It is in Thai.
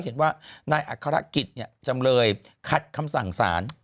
ก็เห็นว่านายอัตภัณฑ์อักษิตเนี่ยจำเลยขัดคำสั่งศาล